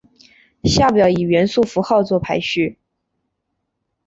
下表以元素符号作排序。